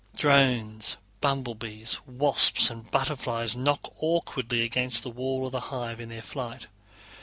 Drones, bumblebees, wasps, and butterflies knock awkwardly against the walls of the hive in their flight.